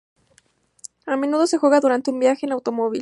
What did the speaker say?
A menudo se juega durante un viaje en automóvil.